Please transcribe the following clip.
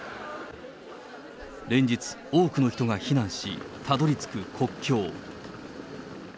連日、多くの人が避難し、たどりつく国境。